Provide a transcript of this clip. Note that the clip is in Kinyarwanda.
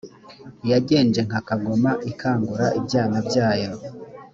yagenje nka kagoma ikangura ibyana byayo.